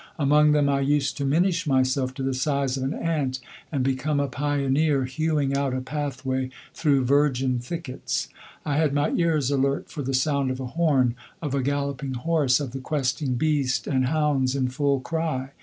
Among them I used to minish myself to the size of an ant and become a pioneer hewing out a pathway through virgin thickets. I had my ears alert for the sound of a horn, of a galloping horse, of the Questing Beast and hounds in full cry.